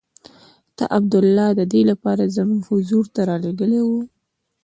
تا عبدالله د دې لپاره زموږ حضور ته رالېږلی وو.